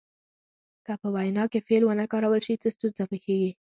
که په وینا کې فعل ونه کارول شي څه ستونزه پیښیږي.